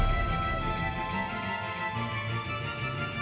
ทองคัน